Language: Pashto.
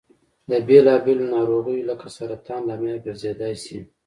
د بېلا بېلو نارغیو لکه سرطان لامل ګرځيدای شي.